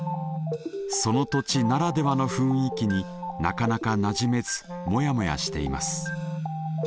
その土地ならではの雰囲気になかなかなじめずモヤモヤしています。